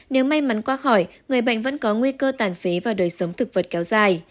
nếu may mắn qua khỏi người bệnh vẫn có nguy cơ tàn phế và đời sống thực vật kéo dài